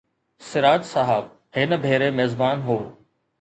سراج صاحب هن ڀيري ميزبان هو.